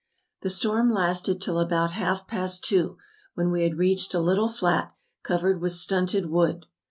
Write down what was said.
The storm lasted till about half past two, when we had reached a little flat, covered with stunted wood.